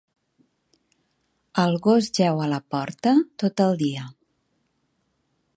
El gos jeu a la porta tot el dia.